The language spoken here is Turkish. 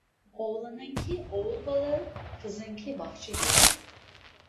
Oğlanınki oğul balı, kızınki bahçe gülü.